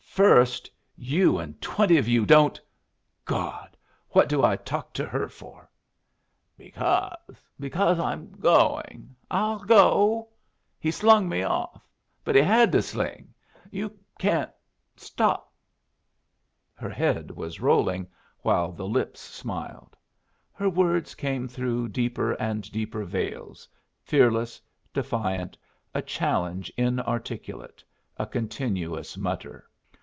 "First! You and twenty of yu' don't God!! what do I talk to her for?" "Because because I'm going; I'll go. He slung me off but he had to sling you can't stop " Her head was rolling, while the lips smiled. Her words came through deeper and deeper veils, fearless, defiant, a challenge inarticulate, a continuous mutter.